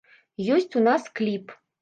Ёсць у нас кліп.